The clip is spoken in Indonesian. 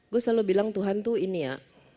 gue selalu bilang tuhan tuh ini ya